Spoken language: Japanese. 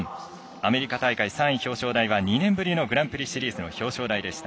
アメリカ大会３位表彰台は２年ぶりのグランプリシリーズ表彰台でした。